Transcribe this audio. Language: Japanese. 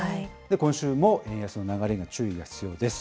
今週も円安の流れには注意が必要です。